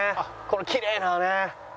このきれいなね。